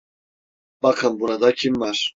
Bakın burada kim var.